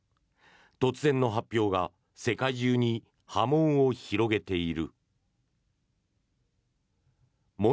突然の発表が世界中に波紋を広げている。